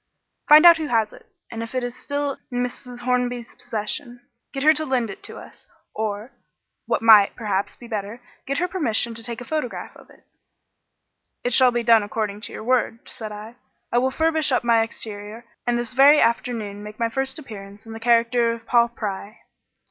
"Find out who has it, and, if it is still in Mrs. Hornby's possession, get her to lend it to us or what might, perhaps, be better get her permission to take a photograph of it." "It shall be done according to your word," said I. "I will furbish up my exterior, and this very afternoon make my first appearance in the character of Paul Pry."